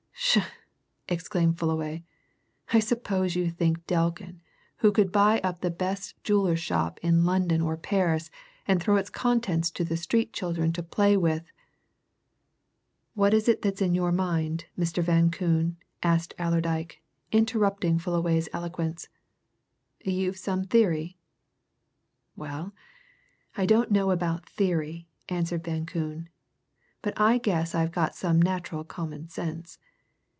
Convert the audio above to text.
"Psha!" exclaimed Fullaway. "I suppose you think Delkin, who could buy up the best jeweller's shop in London or Paris and throw its contents to the street children to play with " "What is it that's in your mind, Mr. Van Koon?" asked Allerdyke, interrupting Fullaway's eloquence. "You've some theory?" "Well, I don't know about theory," answered Van Koon, "but I guess I've got some natural common sense.